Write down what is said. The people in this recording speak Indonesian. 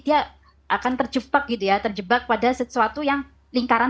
jadi akhirnya hanya menjadi dia akan terjebak gitu ya terjebak pada sesuatu yang lingkaran